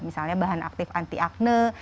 misalnya bahan aktif anti akne